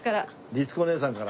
律子姉さんから。